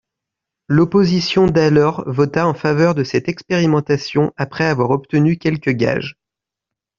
L’opposition d’alors vota en faveur de cette expérimentation après avoir obtenu quelques gages.